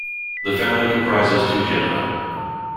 The family comprises two genera.